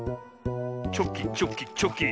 チョキチョキチョキ。